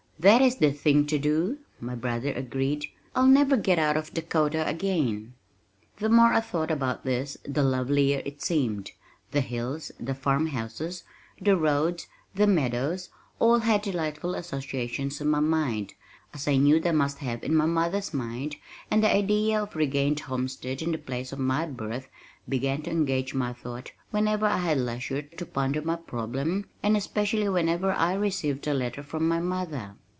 "That is the thing to do," my brother agreed. "I'll never get out to Dakota again." The more I thought about this the lovelier it seemed. The hills, the farmhouses, the roads, the meadows all had delightful associations in my mind, as I knew they must have in my mother's mind and the idea of a regained homestead in the place of my birth began to engage my thought whenever I had leisure to ponder my problem and especially whenever I received a letter from my mother.